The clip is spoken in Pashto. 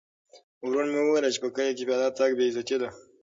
ورور مې وویل چې په کلي کې پیاده تګ بې عزتي ده.